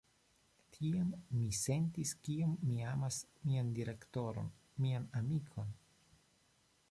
Tiam, mi sentis kiom mi amas mian direktoron, mian amikon.